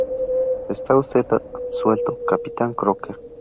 Está usted absuelto, capitán Crocker.